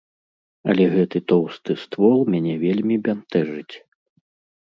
Але гэты тоўсты ствол мяне вельмі бянтэжыць.